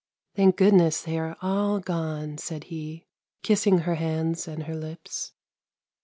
' Thank goodness they are all gone,' said he, kissing her hands and her lips.